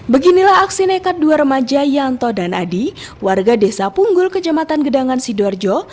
beginilah aksi nekat dua remaja yanto dan adi warga desa punggul kejamatan gedangan sidoarjo